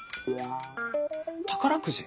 宝くじ？